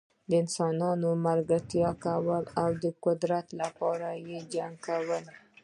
انسانانو ملګرتیا کوله او د قدرت لپاره یې جګړه کوله.